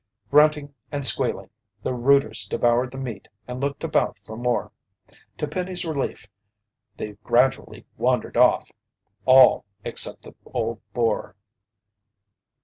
Grunting and squealing, the rooters devoured the meat and looked about for more. To Penny's relief, they gradually wandered off all except the old boar.